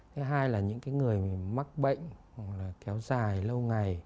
thứ hai là những người mắc bệnh hoặc là kéo dài lâu ngày